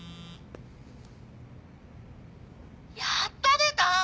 やっと出た！